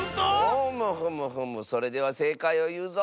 ふむふむふむそれではせいかいをいうぞ。